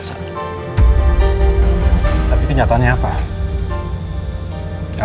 dari sepuluh tahun itu aja nangis mama elef